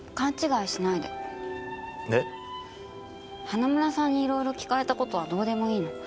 花村さんにいろいろ訊かれたことはどうでもいいの。